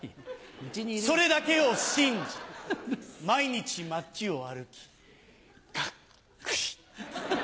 それだけを信じ毎日街を歩きガックリ！